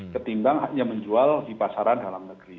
ketimbang hanya menjual di pasaran dalam negeri